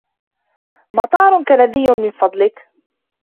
مطار كندي من فضلك.